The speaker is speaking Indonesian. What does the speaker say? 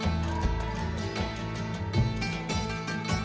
yang di langit